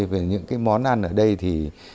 về những cái món ăn ở đây thì